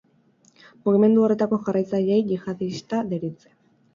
Mugimendu horretako jarraitzaileei jihadista deritze.